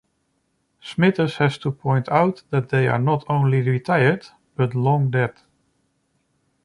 Smithers has to point out that they are not only retired, but long-dead.